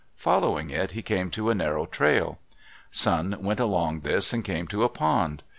Following it, he came to a narrow trail. Sun went along this and came to a pond.